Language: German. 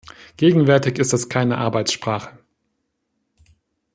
Gegenwärtig ist es keine Arbeitssprache.